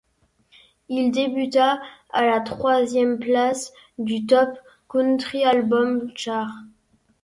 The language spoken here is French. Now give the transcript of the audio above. Il débuta à la troisième place du Top Country Albums charts.